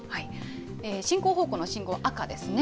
進行方向の信号は赤ですね。